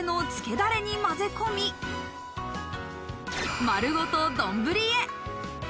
だれに混ぜ込み、丸ごと丼ぶりへ。